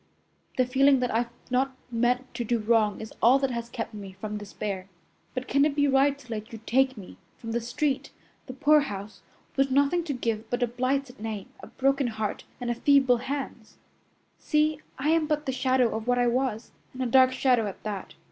The feeling that I've not meant to do wrong is all that has kept me from despair. But can it be right to let you take me from the street, the poorhouse, with nothing to give but a blighted name, a broken heart and feeble hands! See, I am but the shadow of what I was, and a dark shadow at that.